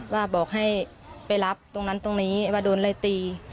ว่าบอกให้ไปรับตรงนั้นตรงนี้ว่าโดนอะไรตี